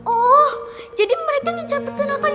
oh jadi mereka ngincar pertenangan